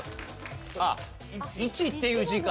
あっ「市」っていう字か。